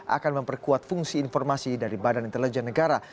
akan memperkuat fungsi informasi dari badan intelijen negara